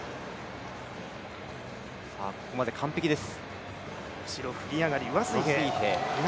ここまで完璧です。